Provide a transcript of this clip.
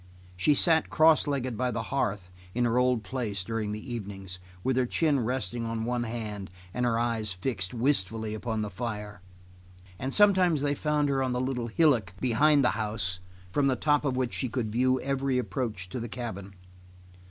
She sat cross legged by the hearth in her old place during the evenings with her chin resting on one hand and her eyes fixed wistfully upon the fire; and sometimes they found her on the little hillock behind the house, from the top of which she could view every approach to the cabin.